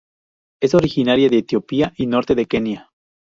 Es originaria de Etiopía y norte de Kenia.